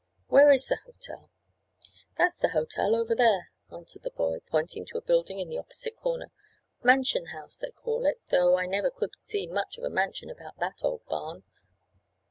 "Where is the hotel?" "That's the hotel, over there," answered the boy, pointing to a building on the opposite corner. "Mansion House, they call it, though I never could see much of a mansion about that old barn."